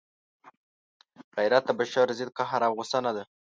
غیرت د بشر ضد قهر او غصه نه ده.